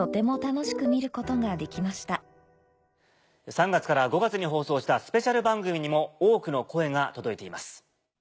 ３月から５月に放送したスペシャル番組にも多くの声が届いています。